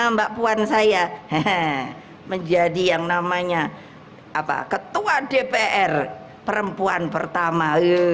mbak puan saya menjadi yang namanya ketua dpr perempuan pertama